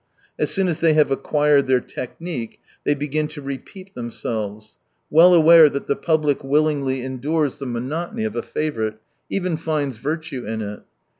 As soon as they have acquired their technique, they begin to repeat themselves, well aware that the public willingly endures the monotony of a 6z favourite, even finds virtue in it.